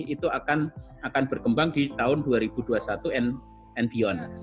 itu akan berkembang di tahun dua ribu dua puluh satu and beyond